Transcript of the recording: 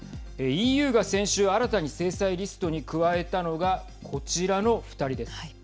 ＥＵが先週、新たに制裁リストに加えたのがこちらの２人です。